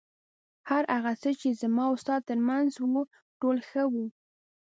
هر هغه څه چې زما او ستا تر منځ و ټول ښه وو.